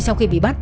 sau khi bị bắt